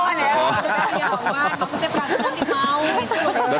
maksudnya perangkat nanti mau gitu